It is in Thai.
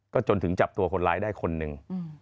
จนถึงจับตัวคนร้ายได้คนหนึ่ง